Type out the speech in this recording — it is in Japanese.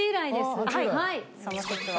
その節は。